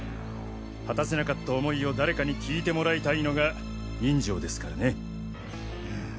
はたせなかった思いを誰かに聞いてもらいたいのが人情ですからね。